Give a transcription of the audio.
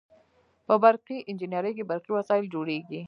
په برقي انجنیری کې برقي وسایل جوړیږي.